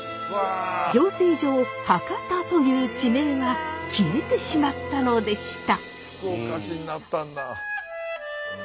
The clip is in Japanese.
行政上博多という地名は消えてしまったのでした。